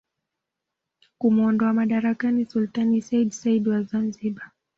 kumuondoa madarakani Sultani seyyid said wa Zanzibar